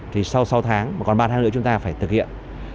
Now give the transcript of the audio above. thì sau sáu tháng mà còn ba tháng nữa chúng ta phải thực hiện